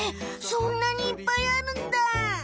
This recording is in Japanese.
そんなにいっぱいあるんだ。